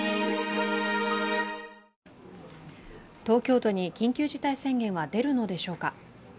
東京都に緊急事態宣言は出るのでしょうか。